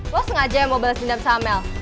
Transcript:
lo sengaja yang mau bales dendam sama mel